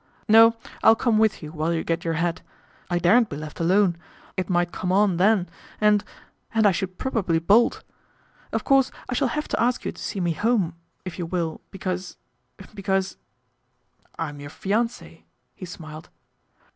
No ; I'll come with you while you get your hat. I daren't be left alone. It might come on then and and I should probably bolt. Of course I shall have to ask you to see me home, if you will, because because " "I'm your fiance," he smiled.